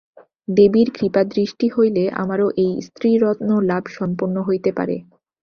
দেবীর কৃপাদৃষ্টি হইলে আমারও এই স্ত্রীরত্ন লাভ সম্পন্ন হইতে পারে।